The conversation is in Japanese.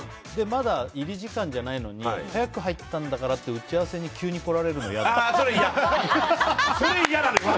まだ入り時間じゃないのに早く入ったんだからと打ち合わせに急に来られるのはそれは嫌！